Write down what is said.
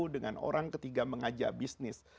dengan orang ketiga mengajak bisnis